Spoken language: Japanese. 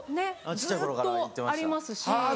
小っちゃい頃から行ってました。